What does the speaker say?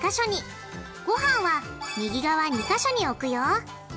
ごはんは右側２か所に置くよ。